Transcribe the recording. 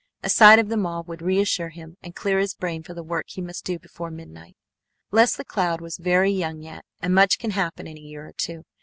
A sight of them all would reassure him and clear his brain for the work he must do before midnight. Leslie Cloud was very young yet, and much can happen in a year or two.